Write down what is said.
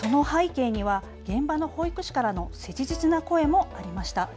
その背景には現場の保育士からの切実な声もありました。